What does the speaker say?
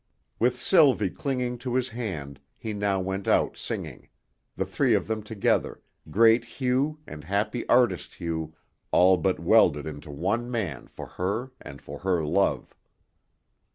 With Sylvie clinging to his hand, he now went out singing the three of them together, great Hugh and happy artist Hugh all but welded into one man for her and for her love.